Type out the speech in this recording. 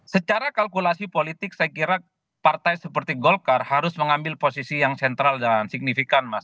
secara kalkulasi politik saya kira partai seperti golkar harus mengambil posisi yang sentral dan signifikan mas